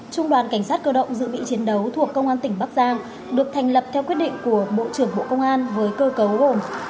trung đoàn cảnh sát cơ động dự bị chiến đấu thuộc công an tỉnh bắc giang được thành lập theo quyết định của bộ trưởng bộ công an với cơ cấu gồm